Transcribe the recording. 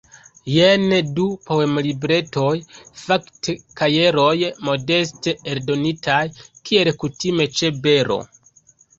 Jen du poemlibretoj, fakte kajeroj modeste eldonitaj, kiel kutime ĉe Bero.